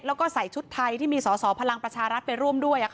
แล้วก็ใส่ชุดไทยที่มีสอสอพลังประชารัฐไปร่วมด้วย